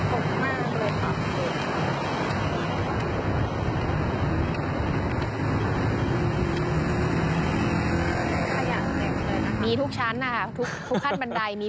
ข้ามาดูสวทานะครับตั้งข้างหน้าเซียครับ